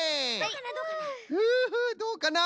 どうかな？